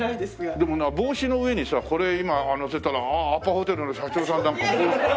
でも帽子の上にさこれ今のせたらアパホテルの社長さんなんかも。